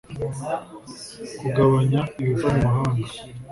kugabanya ibiva mu mahanga